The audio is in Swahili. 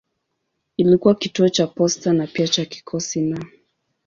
Ilikuwa kituo cha posta na pia cha kikosi na.